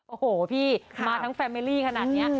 โอ้โหพี่มาทั้งแฟเมรี่ขนาดนี้